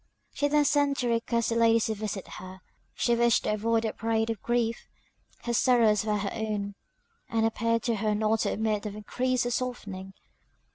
She then sent to request the ladies to visit her; she wished to avoid a parade of grief her sorrows were her own, and appeared to her not to admit of increase or softening.